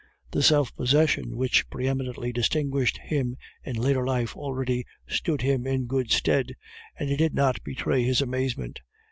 The self possession which pre eminently distinguished him in later life already stood him in good stead, and he did not betray his amazement.